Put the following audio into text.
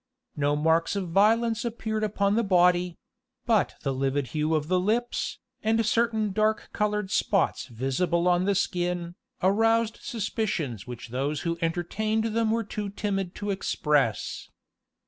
No marks of violence appeared upon the body; but the livid hue of the lips, and certain dark colored spots visible on the skin, aroused suspicions which those who entertained them were too timid to express.